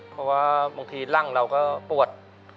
เพราะว่าบางทีร่างเราก็ปวด